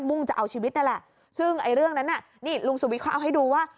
่งจะเอาชีวิตนั่นแหละซึ่งไอ้เรื่องนั้นน่ะนี่ลุงสุวิทย์เขาเอาให้ดูว่า